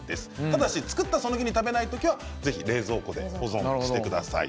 ただし、作ったその日に食べない時はぜひ冷蔵庫で保存してください。